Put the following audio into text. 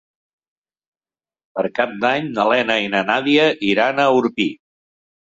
Per Cap d'Any na Lena i na Nàdia iran a Orpí.